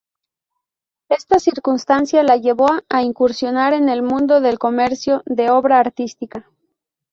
Esta circunstancia la llevó a incursionar en el mundo del comercio de obra artística.